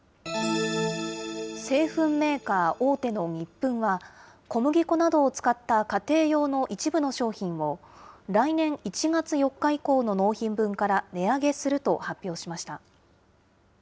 製粉メーカー大手のニップンは、小麦粉などを使った家庭用の一部の商品を、来年１月４日以降の納品分から値上げすると発表しました。